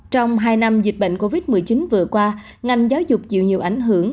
trong hai năm dịch bệnh covid một mươi chín vừa qua ngành giáo dục chịu nhiều ảnh hưởng